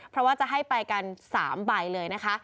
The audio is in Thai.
เพราะว่าจะให้ไปกัน๓ใบเลยนะคะ